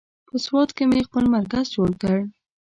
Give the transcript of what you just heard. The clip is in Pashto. په سوات کې یې خپل مرکز جوړ کړ.